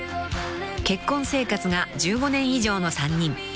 ［結婚生活が１５年以上の３人］